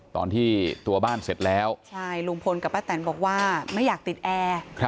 ตอนที่ตัวบ้านเสร็จแล้วใช่ลุงพลกับป้าแตนบอกว่าไม่อยากติดแอร์